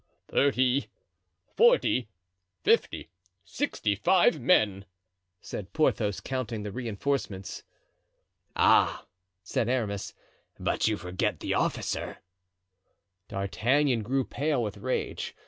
"Thirty, forty, fifty, sixty five men," said Porthos, counting the reinforcements. "Ah!" said Aramis, "but you forget the officer." D'Artagnan grew pale with rage.